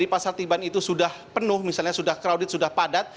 pasar tiban itu sudah penuh misalnya sudah crowded sudah padat